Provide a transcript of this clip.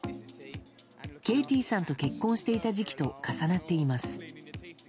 ケイティさんと結婚していた時期と重なっています。